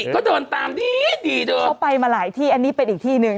เขาไปมาหลายที่อันนี้เป็นอีกที่หนึ่ง